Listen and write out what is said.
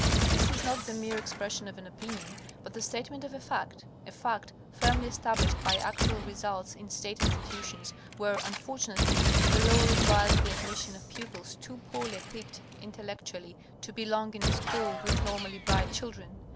_ This is not the mere expression of an opinion, but the statement of a fact; a fact firmly established by actual results in state institutions where, unfortunately, the law requires the admission of pupils too poorly equipped intellectually to belong in a school with normally bright children.